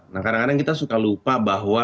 nah kadang kadang kita suka lupa bahwa